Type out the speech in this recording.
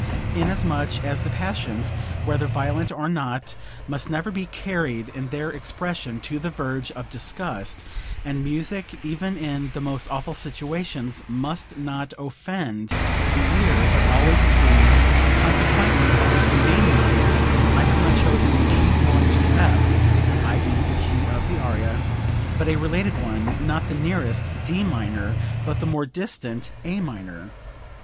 "Inasmuch as the passions, whether violent or not, must never be carried in their expression to the verge of disgust, and music, even in the most awful situations must not offend the ear but always please, consequently always remain music, I have not chosen a key foreign to F (i.e. the key of the aria), but a related one, not the nearest, D minor, but the more distant, A minor.